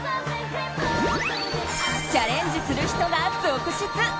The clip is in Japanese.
チャレンジする人が続出。